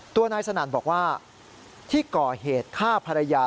ตัวนายสนั่นบอกว่าที่ก่อเหตุฆ่าภรรยา